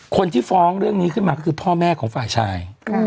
คนที่ฟ้องเรื่องนี้ขึ้นมาก็คือพ่อแม่ของฝ่ายชาย